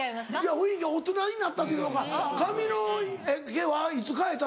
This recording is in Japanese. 雰囲気大人になったというのか髪の毛はいつ変えた？